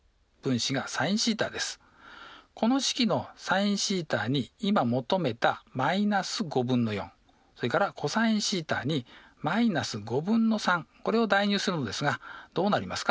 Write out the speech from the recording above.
この式のｓｉｎθに今求めた−５分の４それからｃｏｓθに−５分の３これを代入するのですがどうなりますか？